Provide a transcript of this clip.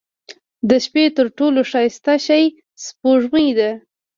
• د شپې تر ټولو ښایسته شی سپوږمۍ ده.